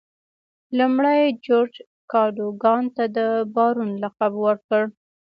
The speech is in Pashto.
لومړي جورج کادوګان ته د بارون لقب ورکړ.